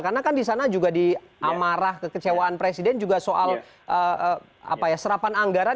karena kan di sana juga di amarah kekecewaan presiden juga soal serapan anggaran